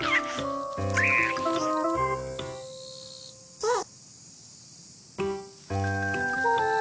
あっ。